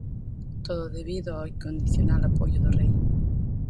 Todo debido ao incondicional apoio do rei.